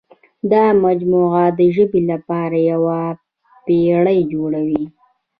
دا مجموعه د ژبې لپاره یوه پېړۍ جوړوي.